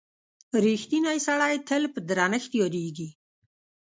• رښتینی سړی تل په درنښت یادیږي.